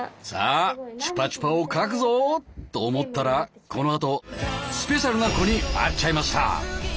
さあチュパチュパを描くぞ！と思ったらこのあとスペシャルな子に会っちゃいました！